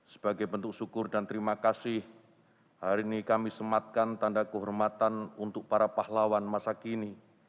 sebagai bentuk syukur dan terima kasih hari ini kami sematkan tanda kehormatan untuk para pahlawan masa kini